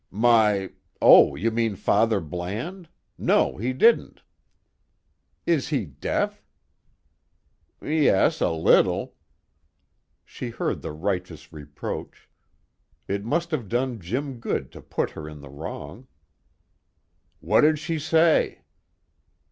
"My oh, you mean Father Bland. No, he didn't." "Is he deaf?" "Yes, a little." She heard the righteous reproach; it must have done Jim good to put her in the wrong. "What did she say?"